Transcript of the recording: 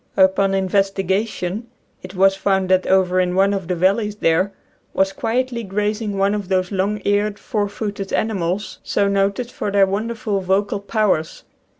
Upon inves tigation it was found that over in one of the valleys there was quietly grazing one of those long eared, four footed animals so noted for their wonderful vocal powers.